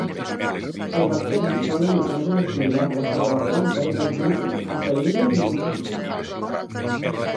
El bacteri dóna nitrogen assimilable per a la planta i rep glúcids, proteïnes i oxigen.